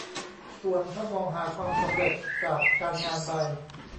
ส่วนถ้ามองหาความสำเร็จจากการงานใด